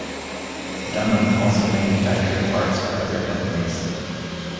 Dunham also manufactured parts for other companies.